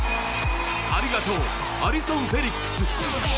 ありがとう、アリソン・フェリックス。